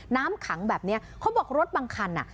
น้ำขังแบบเนี้ยเขาบอกรถบางคันอ่ะ